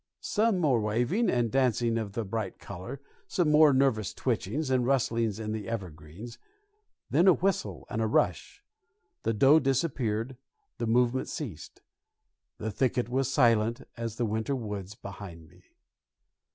Some more waving and dancing of the bright color, some more nervous twitchings and rustlings in the evergreens, then a whistle and a rush; the doe disappeared; the movement ceased; the thicket was silent as the winter woods behind me.